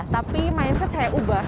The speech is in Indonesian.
tapi mindset saya ubah